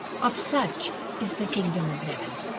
"Of such is the kingdom of Heaven!"